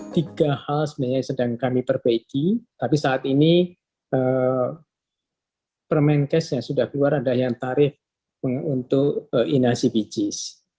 sebenarnya sedang kami perbaiki tapi saat ini permainan kes yang sudah keluar ada yang tarif untuk inah cbgs